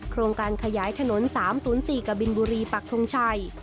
โครงการขยายถนน๓๐๔กบินบุรีปักทงชัย